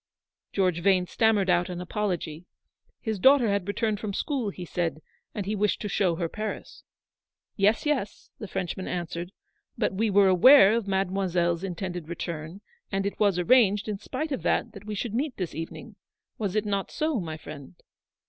George Vane stammered out an apology. His daughter had returned from school, he said, and he wished to show her Paris. "Yes, yes," the Frenchman answered; "but we were aware of Mademoiselle's intended return, and it was arranged in spite of that that we should meet this evening: was it not so, my friend?"